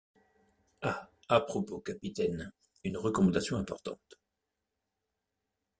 Ah! à propos, capitaine, une recommandation importante.